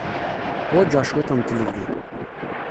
Ḥwaǧeɣ cwiṭ n tlelli.